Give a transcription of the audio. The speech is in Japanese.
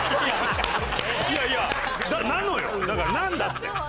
いやいやなのよだからなんだって。